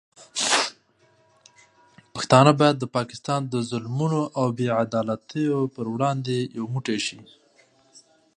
پښتانه باید د پاکستان د ظلمونو او بې عدالتیو پر وړاندې یو موټی شي.